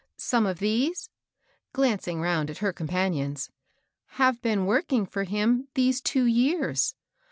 Some of these," glancing round at her compan ions, " have been working for him these two years.